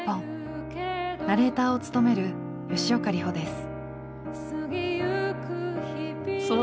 ナレーターを務める吉岡里帆です。